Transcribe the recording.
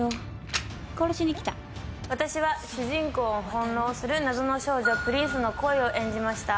私は主人公を翻弄する謎の主人公プリンスの声を演じました。